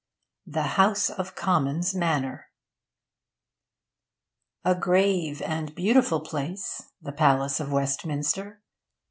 THE HOUSE OF COMMONS MANNER A grave and beautiful place, the Palace of Westminster.